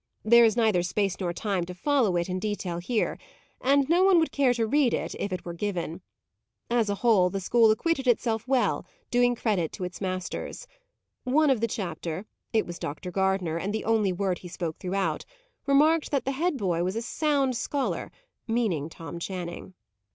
There is neither space nor time to follow it in detail here: and no one would care to read it, if it were given. As a whole, the school acquitted itself well, doing credit to its masters. One of the chapter it was Dr. Gardner, and the only word he spoke throughout remarked that the head boy was a sound scholar, meaning Tom Channing.